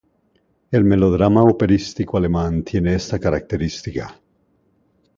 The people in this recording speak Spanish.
El melodrama operístico alemán tiene esta característica.